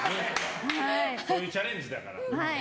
そういうチャレンジだから。